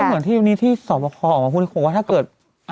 เหมือนที่วันนี้ที่สอบประคอออกมาพูดคงว่าถ้าเกิด